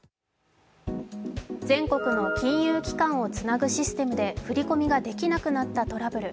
全国の金融機関をつなぐシステムで振り込みができなくなったトラブル。